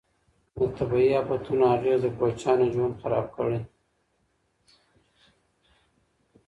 د طبیعي افتونو اغیز د کوچیانو ژوند خراب کړی.